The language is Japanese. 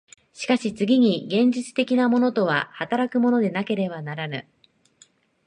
しかし次に現実的なものとは働くものでなければならぬ。